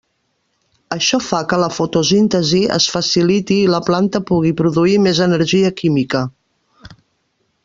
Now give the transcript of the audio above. Això fa que la fotosíntesi es faciliti i la planta pugui produir més energia química.